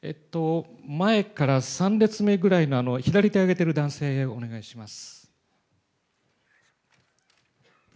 前から３列目ぐらいの左手挙げてる男性、お願いします。